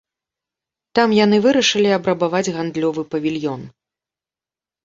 Там яны вырашылі абрабаваць гандлёвы павільён.